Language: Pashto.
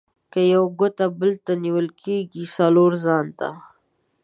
که یوه ګوته بل ته نيول کېږي؛ :څلور ځان ته.